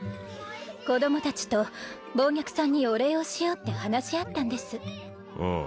子供達と暴虐さんにお礼をしようって話し合ったんですあ